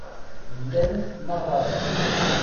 Llant meṛṛa da.